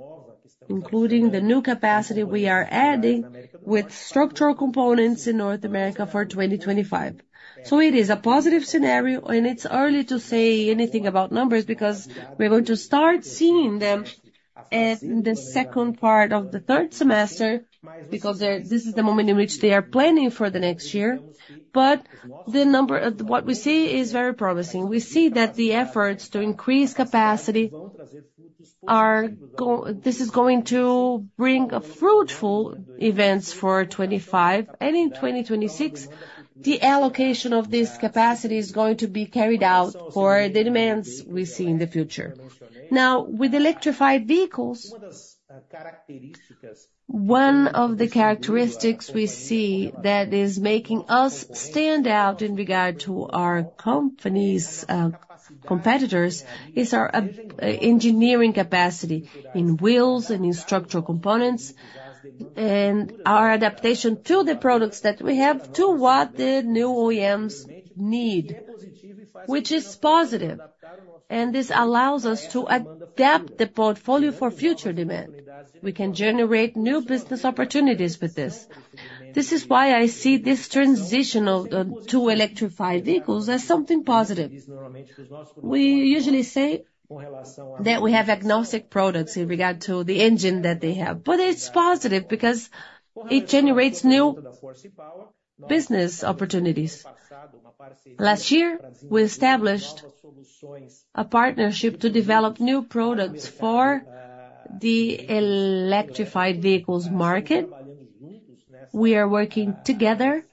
including the new capacity we are adding with structural components in North America for 2025. So it is a positive scenario, and it's early to say anything about numbers, because we're going to start seeing them at the second part of the third semester, because this is the moment in which they are planning for the next year. What we see is very promising. We see that the efforts to increase capacity are going to bring fruitful events for 2025, and in 2026, the allocation of this capacity is going to be carried out for the demands we see in the future. Now, with electrified vehicles, one of the characteristics we see that is making us stand out in regard to our company's competitors, is our engineering capacity in wheels and in structural components, and our adaptation to the products that we have to what the new OEMs need, which is positive, and this allows us to adapt the portfolio for future demand. We can generate new business opportunities with this. This is why I see this transition to electrified vehicles as something positive. We usually say that we have agnostic products in regard to the engine that they have, but it's positive because it generates new business opportunities. Last year, we established a partnership to develop new products for the electrified vehicles market. We are working together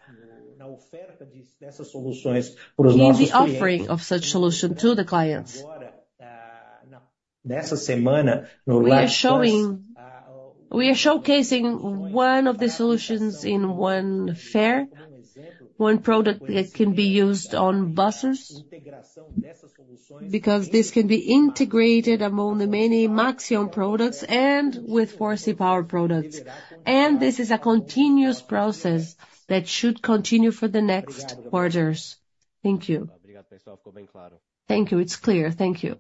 in the offering of such solution to the clients. We are showcasing one of the solutions in one fair, one product that can be used on buses, because this can be integrated among the many Maxion products and with Forsee Power products. And this is a continuous process that should continue for the next quarters. Thank you. Thank you. It's clear. Thank you.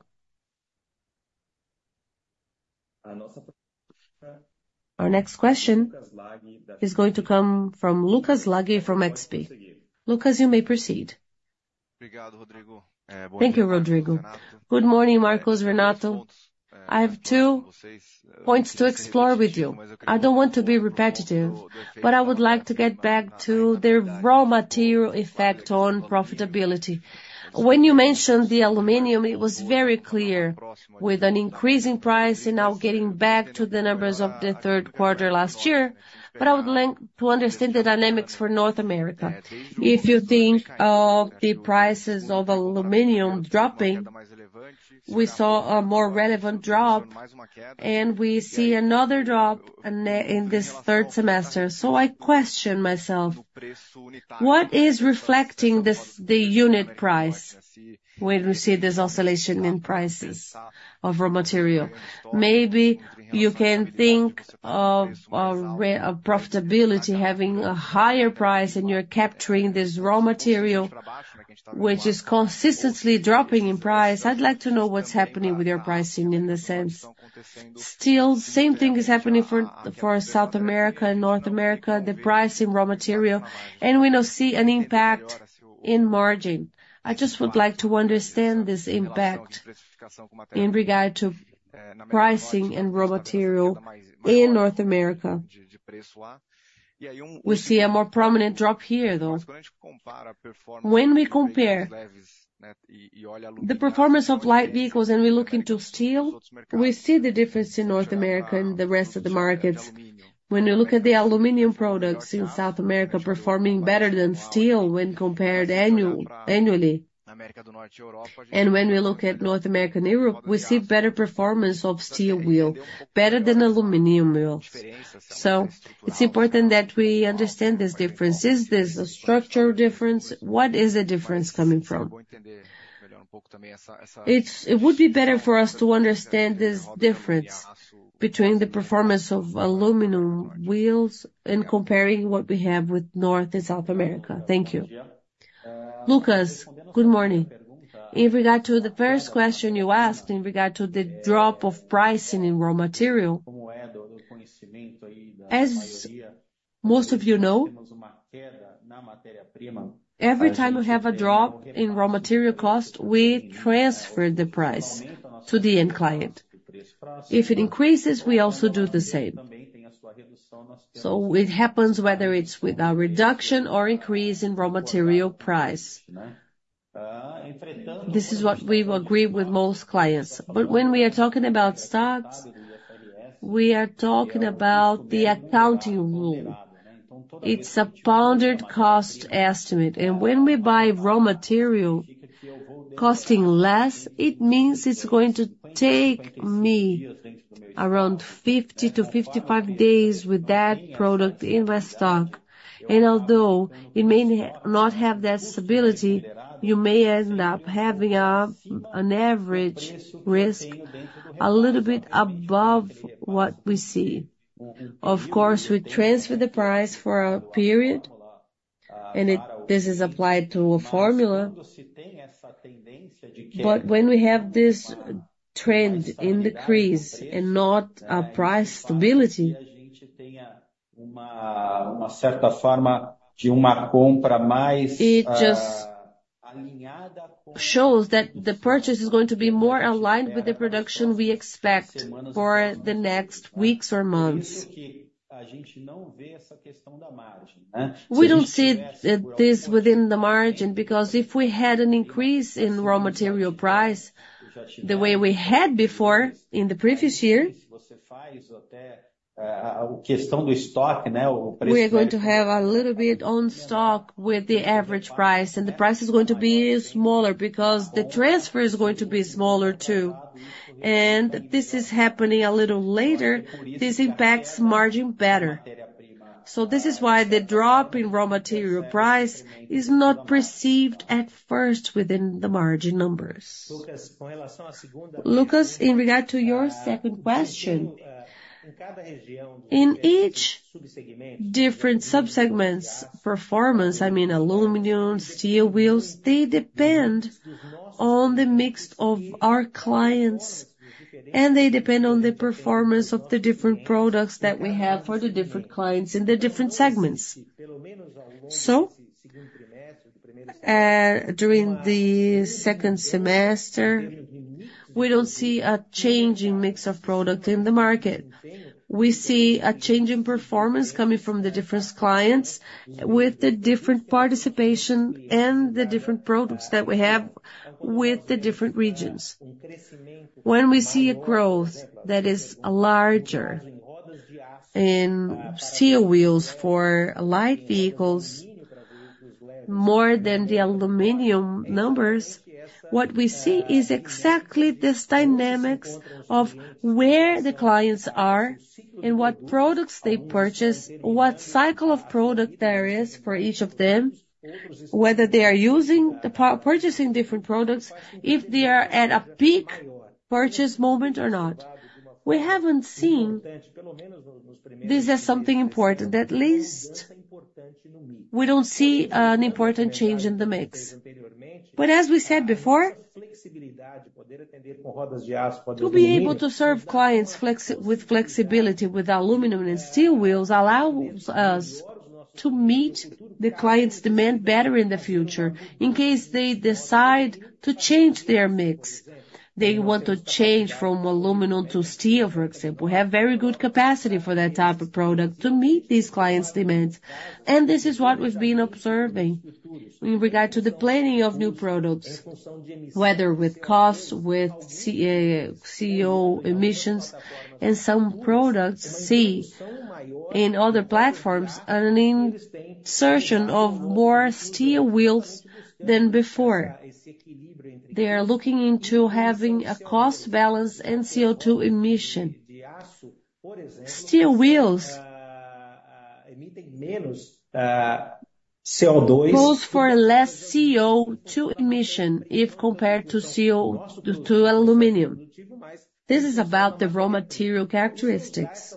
Our next question is going to come from Lucas Laghi from XP. Lucas, you may proceed. Thank you, Rodrigo. Good morning, Marcos, Renato. I have two points to explore with you. I don't want to be repetitive, but I would like to get back to the raw material effect on profitability. When you mentioned the aluminum, it was very clear, with an increasing price and now getting back to the numbers of the third quarter last year, but I would like to understand the dynamics for North America. If you think of the prices of aluminum dropping, we saw a more relevant drop, and we see another drop in this third quarter. So I question myself, what is reflecting this, the unit price when we see this oscillation in prices of raw material? Maybe you can think of profitability having a higher price, and you're capturing this raw material, which is consistently dropping in price. I'd like to know what's happening with your pricing in that sense. Still, same thing is happening for South America and North America, the price in raw material, and we now see an impact in margin. I just would like to understand this impact in regard to pricing and raw material in North America. We see a more prominent drop here, though. When we compare the performance of light vehicles and we look into steel, we see the difference in North America and the rest of the markets. When we look at the aluminum products in South America performing better than steel when compared annually. When we look at North America and Europe, we see better performance of steel wheel, better than aluminum wheels. So it's important that we understand this difference. Is this a structural difference? What is the difference coming from? It would be better for us to understand this difference between the performance of aluminum wheels and comparing what we have with North and South America. Thank you. Lucas, good morning. In regard to the first question you asked, in regard to the drop of pricing in raw material, as most of you know, every time we have a drop in raw material cost, we transfer the price to the end client. If it increases, we also do the same. So it happens whether it's with a reduction or increase in raw material price. This is what we've agreed with most clients. But when we are talking about stocks, we are talking about the accounting rule. It's a standard cost estimate, and when we buy raw material costing less, it means it's going to take me around 50-55 days with that product in my stock. And although it may not have that stability, you may end up having an average risk a little bit above what we see. Of course, we transfer the price for a period, and this is applied to a formula. But when we have this trend in decrease and not a price stability, it just shows that the purchase is going to be more aligned with the production we expect for the next weeks or months. We don't see this within the margin, because if we had an increase in raw material price, the way we had before in the previous year, we are going to have a little bit on stock with the average price, and the price is going to be smaller because the transfer is going to be smaller, too. And this is happening a little later. This impacts margin better. So this is why the drop in raw material price is not perceived at first within the margin numbers. Lucas, in regard to your second question, in each different subsegments performance, I mean, aluminum, steel wheels, they depend on the mix of our clients, and they depend on the performance of the different products that we have for the different clients in the different segments. So, during the second semester, we don't see a change in mix of product in the market. We see a change in performance coming from the different clients, with the different participation and the different products that we have with the different regions. When we see a growth that is larger in steel wheels for light vehicles, more than the aluminum numbers, what we see is exactly this dynamics of where the clients are and what products they purchase, what cycle of product there is for each of them, whether they are purchasing different products, if they are at a peak purchase moment or not. We haven't seen this as something important. At least, we don't see an important change in the mix. But as we said before, to be able to serve clients flexibly with flexibility, with aluminum and steel wheels, allows us to meet the client's demand better in the future in case they decide to change their mix. They want to change from aluminum to steel, for example. We have very good capacity for that type of product to meet these clients' demands, and this is what we've been observing. In regard to the planning of new products, whether with costs, with CO2 emissions and some products seen in other platforms, an insertion of more steel wheels than before. They are looking into having a cost balance and CO2 emission. Steel wheels goes for less CO2 emission if compared to CO2 to aluminum. This is about the raw material characteristics,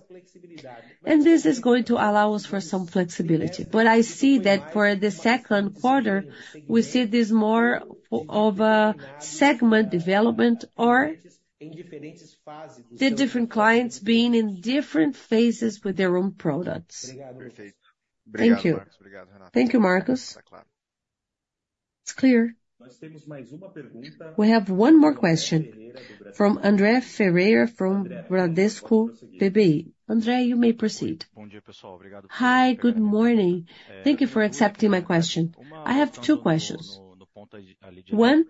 and this is going to allow us for some flexibility. But I see that for the second quarter, we see this more of a segment development or the different clients being in different phases with their own products. Thank you. Thank you, Marcos. It's clear. We have one more question from André Ferreira from Bradesco BBI. André, you may proceed. Hi, good morning. Thank you for accepting my question. I have two questions. One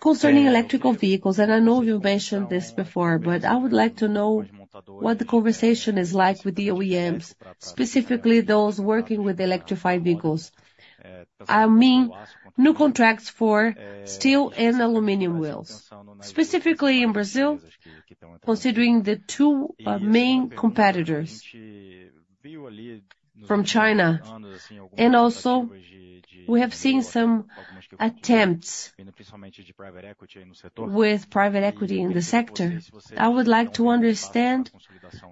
concerning electric vehicles, and I know you've mentioned this before, but I would like to know what the conversation is like with the OEMs, specifically those working with electrified vehicles. I mean, new contracts for steel and aluminum wheels, specifically in Brazil, considering the two main competitors from China. And also, we have seen some attempts with private equity in the sector. I would like to understand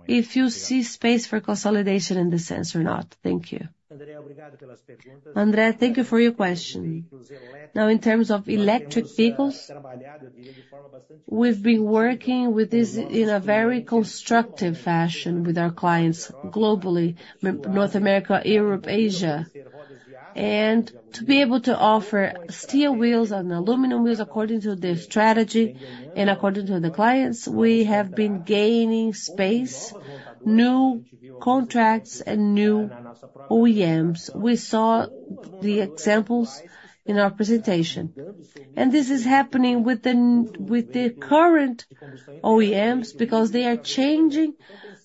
if you see space for consolidation in this sense or not. Thank you. André, thank you for your question. Now, in terms of electric vehicles, we've been working with this in a very constructive fashion with our clients globally, in North America, Europe, Asia. And to be able to offer steel wheels and aluminum wheels according to their strategy and according to the clients, we have been gaining space, new contracts, and new OEMs. We saw the examples in our presentation. And this is happening with the current OEMs, because they are changing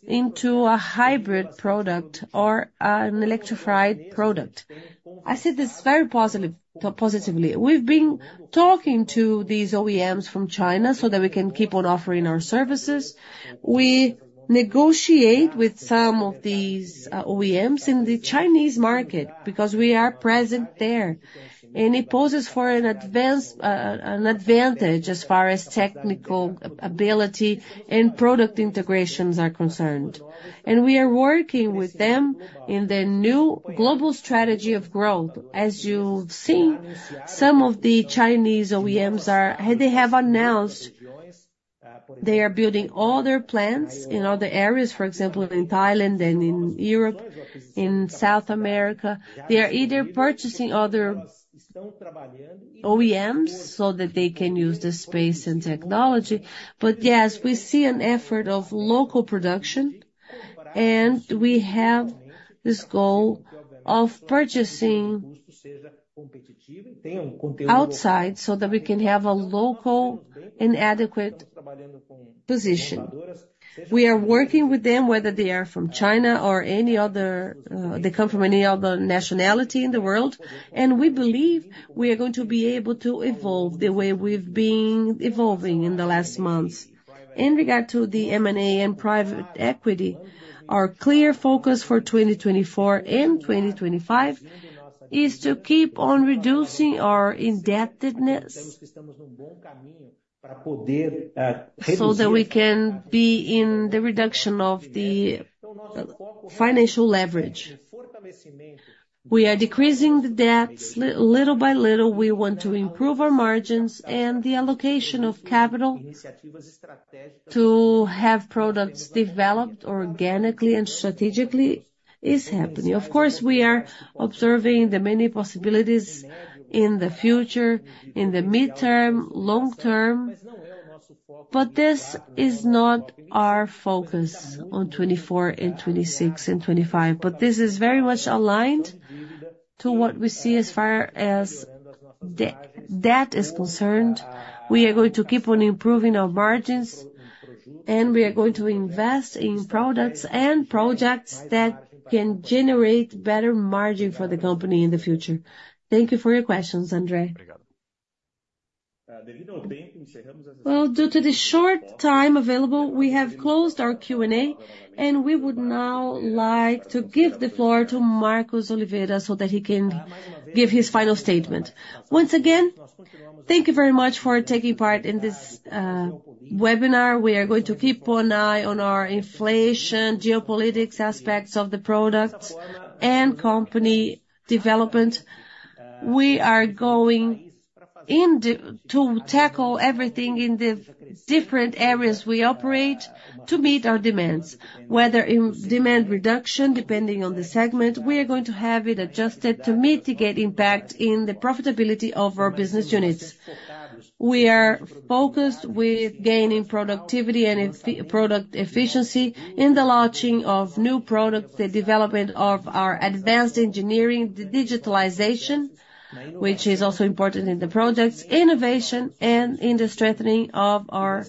into a hybrid product or an electrified product. I see this very positively. We've been talking to these OEMs from China so that we can keep on offering our services. We negotiate with some of these OEMs in the Chinese market, because we are present there, and it poses an advantage as far as technical ability and product integrations are concerned. And we are working with them in the new global strategy of growth. As you've seen, some of the Chinese OEMs they have announced they are building all their plants in all the areas, for example, in Thailand and in Europe, in South America. They are either purchasing other OEMs so that they can use the space and technology. But yes, we see an effort of local production, and we have this goal of purchasing outside, so that we can have a local and adequate position. We are working with them, whether they are from China or any other. They come from any other nationality in the world, and we believe we are going to be able to evolve the way we've been evolving in the last months. In regard to the M&A and private equity, our clear focus for 2024 and 2025 is to keep on reducing our indebtedness, so that we can be in the reduction of the financial leverage. We are decreasing the debts little by little. We want to improve our margins and the allocation of capital to have products developed organically and strategically is happening. Of course, we are observing the many possibilities in the future, in the midterm, long term, but this is not our focus on 2024 and 2026 and 2025. But this is very much aligned to what we see as far as debt is concerned. We are going to keep on improving our margins, and we are going to invest in products and projects that can generate better margin for the company in the future. Thank you for your questions, André. Well, due to the short time available, we have closed our Q&A, and we would now like to give the floor to Marcos Oliveira so that he can give his final statement. Once again, thank you very much for taking part in this webinar. We are going to keep one eye on our inflation, geopolitics aspects of the products and company development. We are going in to tackle everything in the different areas we operate to meet our demands, whether in demand reduction, depending on the segment, we are going to have it adjusted to mitigate impact in the profitability of our business units. We are focused with gaining productivity and in product efficiency, in the launching of new products, the development of our advanced engineering, the digitalization, which is also important in the projects, innovation and in the strengthening of our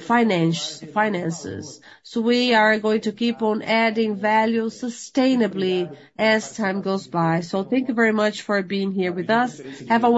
finance, finances. So we are going to keep on adding value sustainably as time goes by. So thank you very much for being here with us. Have a.